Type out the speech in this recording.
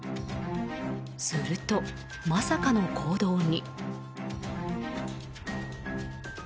すると、まさかの行動に。